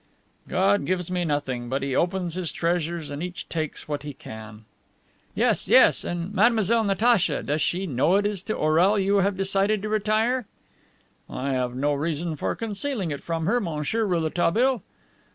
"God gives me nothing, but He opens His treasures, and each takes what he can." "Yes, yes; and Mademoiselle Natacha, does she know it is to Orel you have decided to retire?" "I have no reason for concealing it from her, Monsieur Rouletabille."